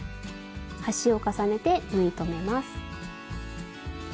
端を重ねて縫い留めます。